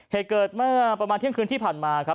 เหตุเกิดเมื่อประมาณเที่ยงคืนที่ผ่านมาครับ